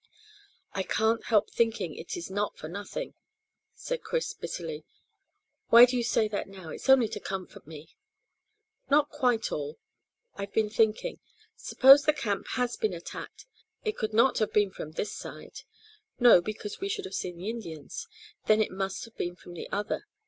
"I can't help thinking it is not for nothing," said Chris bitterly. "Why do you say that now? It's only to comfort me." "Not quite all. I've been thinking. Suppose the camp has been attacked. It could not have been from this side." "No, because we should have seen the Indians." "Then it must have been from the other."